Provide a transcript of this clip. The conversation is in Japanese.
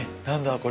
何だ？